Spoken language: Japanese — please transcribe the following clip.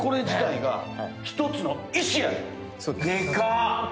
でかっ！